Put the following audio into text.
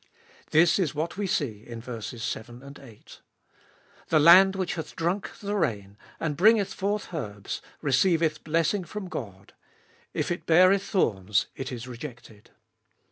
This is what we see in vers. 7 and 8. The land which hath drunk the rain, and bringeth forth herbs, receiveth blessing from God: if it beareth thorns, it is rejected.